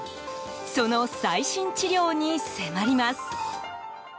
その最新治療に迫ります。